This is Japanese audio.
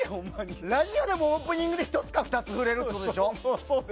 ラジオでもオープニングで１つか２つ触れるぐらいでしょ。